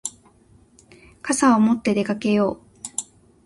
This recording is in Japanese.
傘を持って出かけよう。